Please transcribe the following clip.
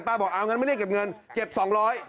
บอกเอางั้นไม่เรียกเก็บเงินเก็บ๒๐๐บาท